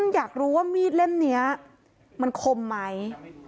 อยากรู้ว่ามีดเล่มนี้มันคมไหม